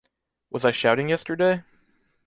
Was I shouting yesterday?